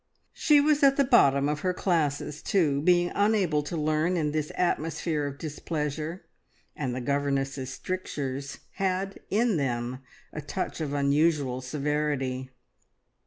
She was at the bottom of her classes too, being unable to learn in this atmosphere of displeasure, and the governess's strictures had in them a touch of unusual severity.